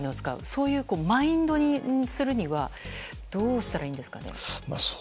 そういうマインドにするにはどうしたらいいんですかね。